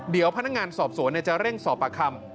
เดี๋ยวพนักงานสอบสวนจะเร่งสอบปากคำ